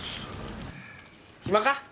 暇か？